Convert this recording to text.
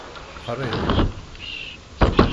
Qṛib.